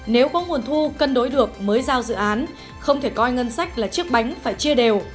nếu có nguồn thu cân đối được mới giao dự án không thể coi ngân sách là chiếc bánh phải chia đều